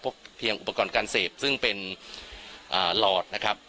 เพียงอุปกรณ์การเสพซึ่งเป็นหลอดนะครับ